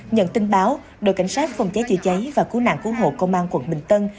nhận tin báo đội cảnh sát phòng cháy chữa cháy và cứu nạn cứu hộ công an quận bình tân